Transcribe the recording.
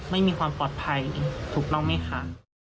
ไม่มีความปลอดภัยถูกต้องไหมคะ